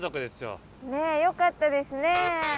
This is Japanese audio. ねえよかったですね。